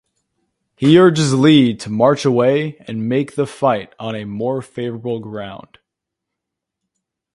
He urges Lee to march away and make the fight on more favorable ground.